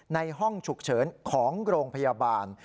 ในห้องฉุกเฉินของโรงพยาบาล